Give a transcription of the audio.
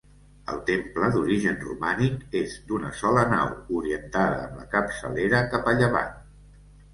El temple, d'origen romànic, és d'una sola nau, orientada amb la capçalera cap a llevant.